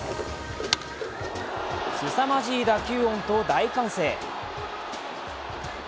すさまじい打球音と大歓声。